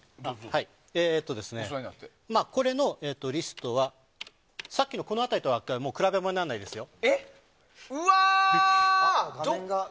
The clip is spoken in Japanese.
これのリストはさっきの、この辺りとは比べ物にならないですよ。